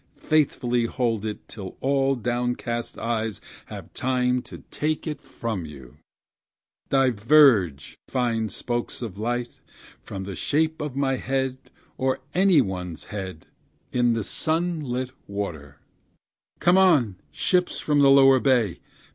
and faithfully hold it, till all downcast eyes have time to take it from you; Diverge, fine spokes of light, from the shape of my head, or any one's head, in the sun lit water; Come on, ships from the lower bay!